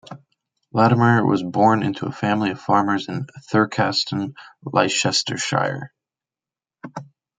Latimer was born into a family of farmers in Thurcaston, Leicestershire.